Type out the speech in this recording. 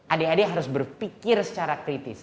adik adik harus berpikir secara kritis